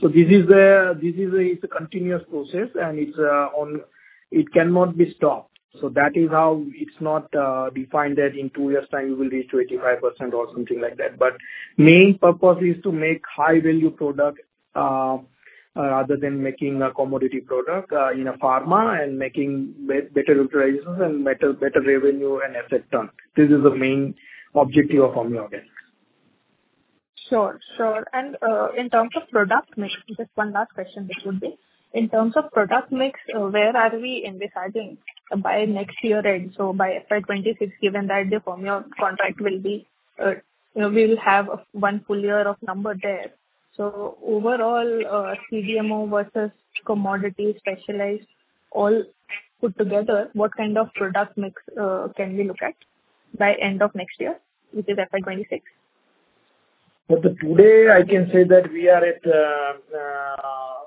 So, this is a continuous process, and it's on it cannot be stopped. So, that is how it's not defined that in two years' time, we will reach 85% or something like that. Main purpose is to make high-value product rather than making a commodity product in a pharma and making better utilizations and better revenue and asset turn. This is the main objective of AMI Organics. Sure. Sure. And in terms of product mix, just one last question, this would be. In terms of product mix, where are we in deciding by next year end? So, by FY 2026, given that the formula contract will be we will have one full year of number there. So, overall, CDMO versus commodity specialized, all put together, what kind of product mix can we look at by end of next year, which is FY 2026? For today, I can say that we are at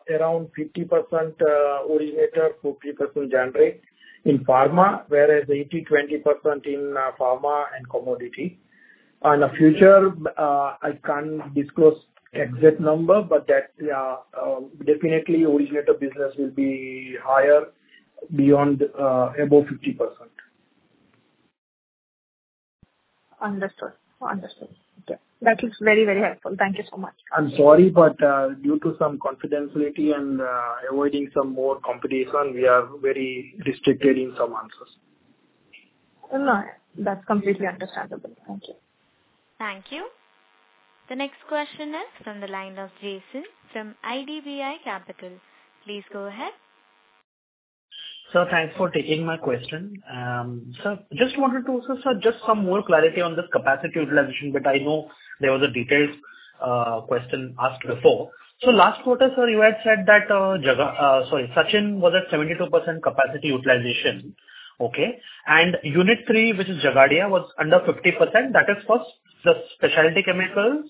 around 50% originator, 50% generic in pharma, whereas 80%-20% in pharma and commodity. In the future, I can't disclose exact number, but that definitely, originator business will be higher beyond above 50%. Understood. Understood. Okay. That is very, very helpful. Thank you so much. I'm sorry, but due to some confidentiality and avoiding some more competition, we are very restricted in some answers. No. That's completely understandable. Thank you. Thank you. The next question is from the line of Jason from IDBI Capital. Please go ahead. Sir, thanks for taking my question. Sir, just wanted to also, sir, just some more clarity on this capacity utilization, but I know there was a detailed question asked before. So, last quarter, sir, you had said that Sachin was at 72% capacity utilization. Okay. And unit three, which is Jhagadia, was under 50%. That is for the specialty chemicals and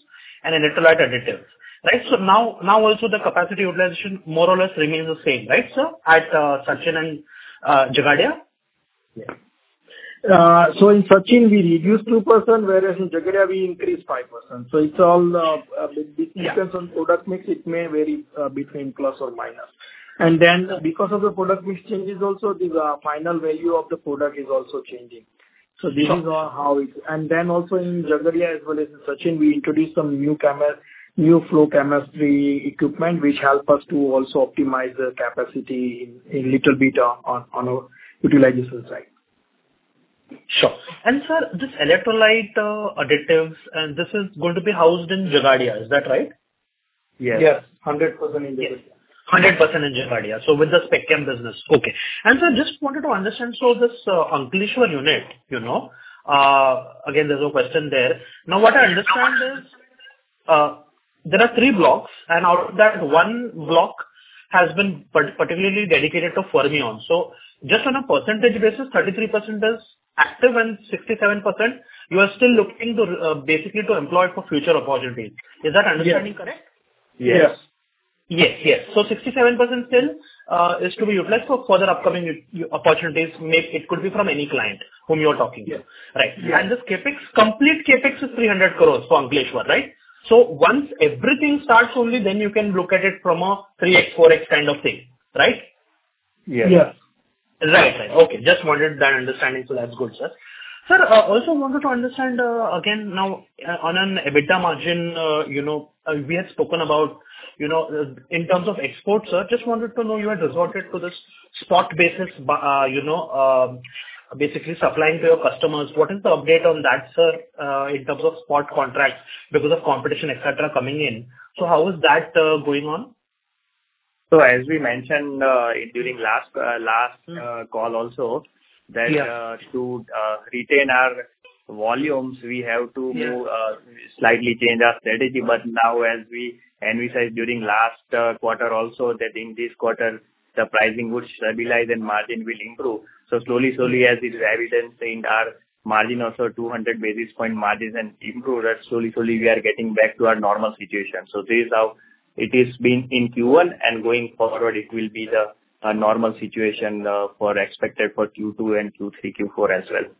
electrolyte additives, right? So, now also, the capacity utilization more or less remains the same, right, sir, at Sachin and Jhagadia? Yes. So, in Sachin, we reduce 2%, whereas in Jhagadia, we increase 5%. So, it's all a bit depends on product mix. It may vary between plus or minus. And then, because of the product mix changes also, the final value of the product is also changing. So, this is how it and then also, in Jhagadia as well as in Sachin, we introduced some new flow chemistry equipment, which help us to also optimize the capacity a little bit on our utilization side. Sure. And, sir, these electrolyte additives, this is going to be housed in Jhagadia. Is that right? Yes. Yes. 100% in Jhagadia. 100% in Jhagadia. So, with the spec chem business. Okay. And, sir, just wanted to understand, so, this Ankleshwar unit again, there's a question there. Now, what I understand is there are three blocks, and out of that, one block has been particularly dedicated to Fermion. So, just on a percentage basis, 33% is active and 67%, you are still looking to basically employ for future opportunities. Is that understanding correct? Yes. Yes. Yes. Yes. So, 67% still is to be utilized for further upcoming opportunities. It could be from any client whom you're talking to, right? And this CapEx complete CapEx is 300 crore for Ankleshwar, right? So, once everything starts only, then you can look at it from a 3x, 4x kind of thing, right? Yes. Yes. Right. Right. Okay. Just wanted that understanding. So, that's good, sir. Sir, also wanted to understand again, now, on an EBITDA margin, we had spoken about in terms of export, sir, just wanted to know you had resorted to this spot basis, basically supplying to your customers. What is the update on that, sir, in terms of spot contracts because of competition, etc., coming in? So, how is that going on? So, as we mentioned during last call also, that to retain our volumes, we have to slightly change our strategy. But now, as we analyzed during last quarter also, that in this quarter, the pricing would stabilize and margin will improve. So, slowly, slowly, as it is evident in our margin also, 200 basis point margins and improve, that slowly, slowly, we are getting back to our normal situation. So, this is how it has been in Q1. And going forward, it will be the normal situation expected for Q2 and Q3, Q4 as well.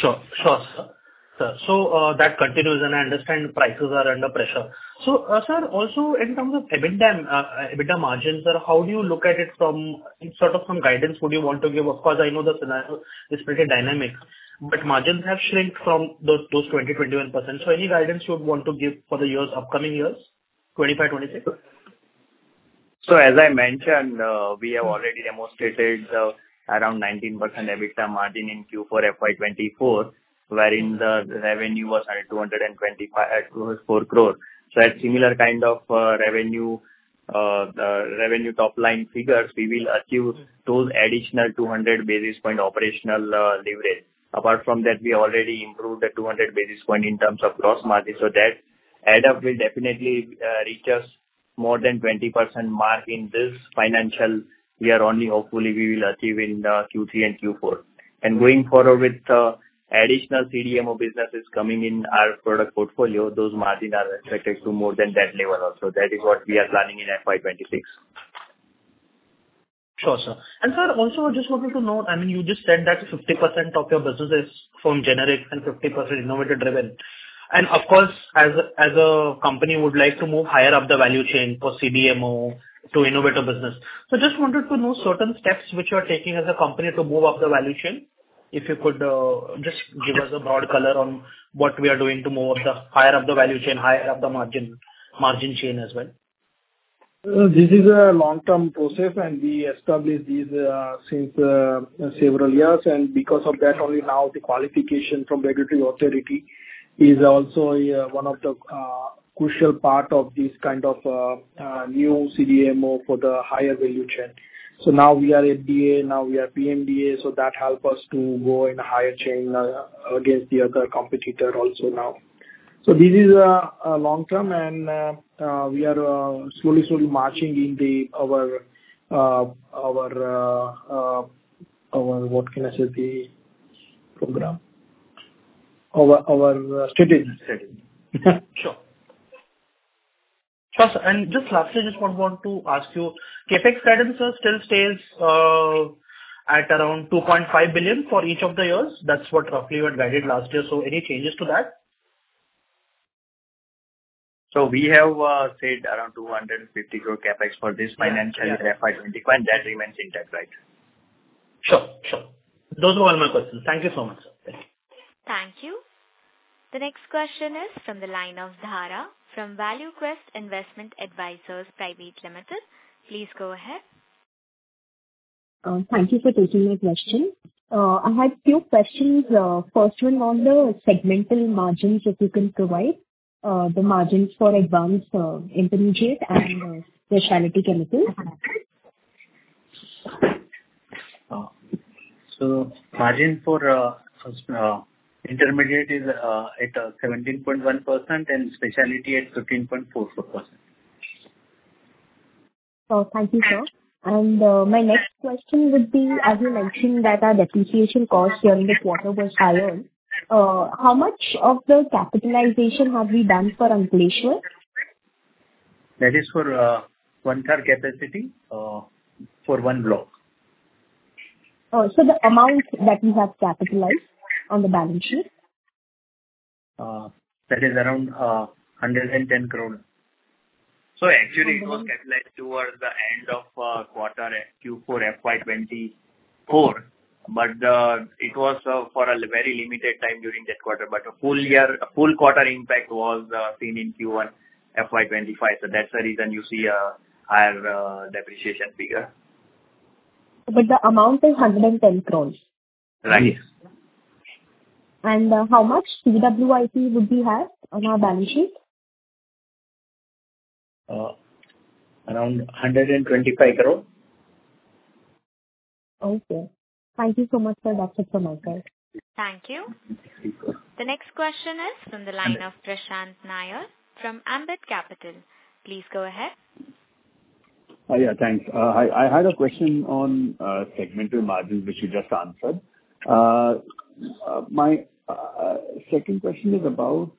Sure. Sure. Sure. So, that continues, and I understand prices are under pressure. So, sir, also, in terms of EBITDA margins, sir, how do you look at it from sort of some guidance would you want to give? Of course, I know the scenario is pretty dynamic, but margins have shrunk from those 20%-21%. So, any guidance you would want to give for the upcoming years, 2025, 2026? So, as I mentioned, we have already demonstrated around 19% EBITDA margin in Q4 FY 2024, wherein the revenue was 224 crore. So, at similar kind of revenue top line figures, we will achieve those additional 200 basis point operational leverage. Apart from that, we already improved the 200 basis point in terms of gross margin. So, that add-up will definitely reach us more than 20% mark in this financial year only, hopefully, we will achieve in Q3 and Q4. And going forward with additional CDMO businesses coming in our product portfolio, those margins are expected to more than that level also. That is what we are planning in FY 2026. Sure. Sure. And, sir, also, I just wanted to note I mean, you just said that 50% of your business is from generic and 50% innovator-driven. And, of course, as a company would like to move higher up the value chain for CDMO to innovator business, so I just wanted to know certain steps which you are taking as a company to move up the value chain. If you could just give us a broad color on what we are doing to move up the higher up the value chain, higher up the margin chain as well. This is a long-term process, and we established this since several years. Because of that, only now, the qualification from regulatory authority is also one of the crucial parts of this kind of new CDMO for the higher value chain. So, now, we are FDA. Now, we are PMDA. So, that helps us to go in a higher chain against the other competitor also now. So, this is long-term, and we are slowly, slowly marching in our what can I say? The program? Our strategy. Strategy. Sure. Sure. And just lastly, I just wanted to ask you, CapEx guidance still stays at around 2.5 billion for each of the years? That's what roughly you had guided last year. So, any changes to that? We have set around 250 crore CapEx for this financial year FY 2025, and that remains intact, right? Sure. Sure. Those were all my questions. Thank you so much, sir. Thank you. Thank you. The next question is from the line of Dhara from ValueQuest Investment Advisors Pvt Ltd. Please go ahead. Thank you for taking my question. I had a few questions. First one on the segmental margins, if you can provide the margins for advanced intermediates, and specialty chemicals. Margin for intermediate is at 17.1% and specialty at 13.44%. Thank you, sir. My next question would be, as you mentioned that our depreciation cost during the quarter was higher, how much of the capitalization have we done for Ankleshwar? That is for anchor capacity for one block. The amount that we have capitalized on the balance sheet? That is around 110 crore. So, actually, it was capitalized towards the end of quarter Q4 FY 2024, but it was for a very limited time during that quarter. But a full quarter impact was seen in Q1 FY 2025. So, that's the reason you see a higher depreciation figure. But the amount is 110 crore. Right. How much CWIP would we have on our balance sheet? Around INR 125 crore. Okay. Thank you so much, sir. That's it for my part. Thank you. The next question is from the line of Prashant Nair from Ambit Capital. Please go ahead. Yeah. Thanks. I had a question on segmental margins, which you just answered. My second question is about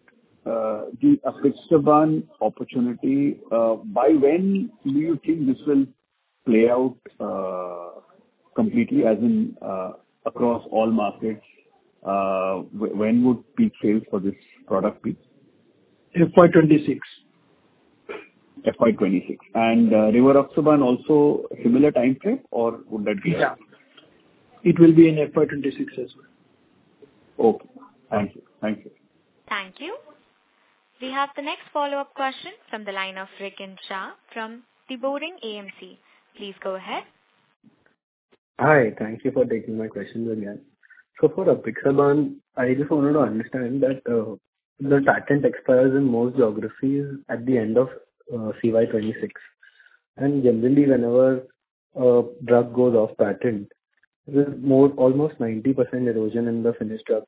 the apixaban opportunity. By when do you think this will play out completely, as in across all markets? When would peak sales for this product be? FY 2026. FY 2026. And rivaroxaban also, similar time frame, or would that be? Yeah. It will be in FY 2026 as well. Okay. Thank you. Thank you. Thank you. We have the next follow-up question from the line of Rikin Shah from The Boring AMC. Please go ahead. Hi. Thank you for taking my question again. So, for apixaban, I just wanted to understand that the patent expires in most geographies at the end of CY 2026. And generally, whenever a drug goes off patent, there's almost 90% erosion in the finished drug.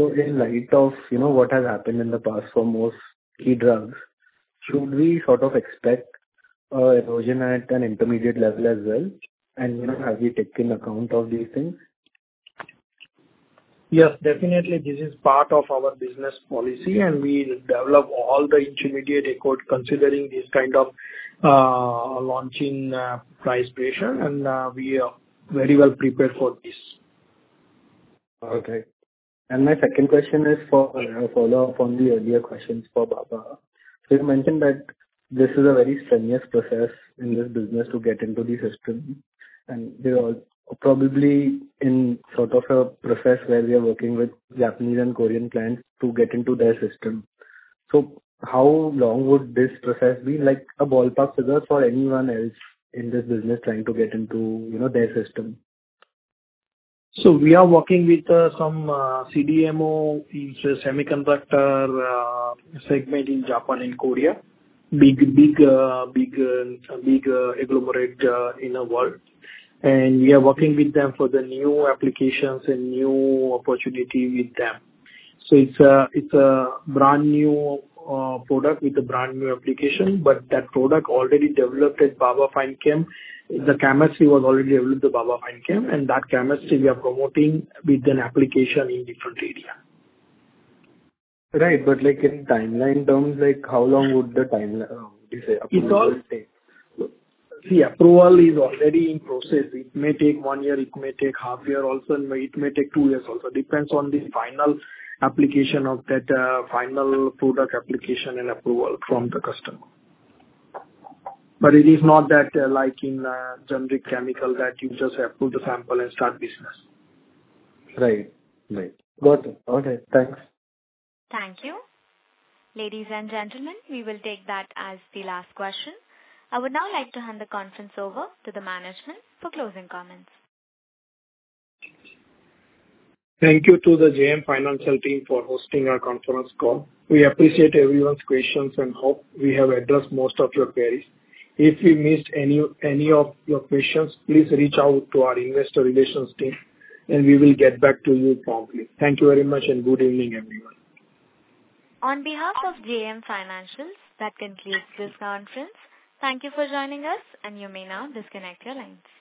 So, in light of what has happened in the past for most key drugs, should we sort of expect erosion at an intermediate level as well? And have we taken account of these things? Yes. Definitely, this is part of our business policy, and we develop all the intermediate records considering this kind of launching price pressure. We are very well prepared for this. Okay. And my second question is a follow-up on the earlier questions for Baba. So, you mentioned that this is a very strenuous process in this business to get into the system. And we're probably in sort of a process where we are working with Japanese and Korean clients to get into their system. So, how long would this process be like a ballpark figure for anyone else in this business trying to get into their system? So, we are working with some CDMO in semiconductor segment in Japan, in Korea, big conglomerate in the world. And we are working with them for the new applications and new opportunity with them. So, it's a brand new product with a brand new application, but that product already developed at Baba Fine Chemicals. The chemistry was already developed at Baba Fine Chemicals, and that chemistry we are promoting with an application in different areas. Right. But in timeline terms, how long would you say approval will take? The approval is already in process. It may take 1 year. It may take half year also. It may take 2 years also. Depends on the final application of that final product application and approval from the customer. But it is not that like in generic chemical that you just put the sample and start business. Right. Right. Got it. Okay. Thanks. Thank you. Ladies and gentlemen, we will take that as the last question. I would now like to hand the conference over to the management for closing comments. Thank you to the JM Financial team for hosting our conference call. We appreciate everyone's questions and hope we have addressed most of your queries. If we missed any of your questions, please reach out to our investor relations team, and we will get back to you promptly. Thank you very much, and good evening, everyone. On behalf of JM Financial, that concludes this conference. Thank you for joining us, and you may now disconnect your line.